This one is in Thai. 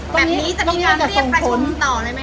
ตรงนี้คือถ้าส่งผนให้รุ่นไป